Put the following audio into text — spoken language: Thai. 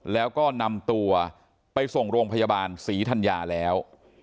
แล้วก็นำตัวไปส่งโรงพยาบาลศรีธัญญาแล้ว